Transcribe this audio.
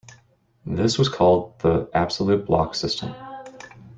This was called the "absolute block system".